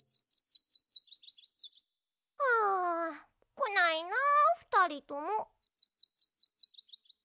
あこないなふたりとも。